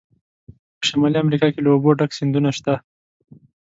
په شمالي امریکا کې له اوبو ډک سیندونه شته.